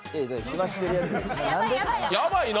やばいな。